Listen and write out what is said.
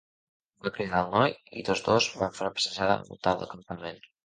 Va cridar el noi i tots dos van fer una passejada al voltant del campament.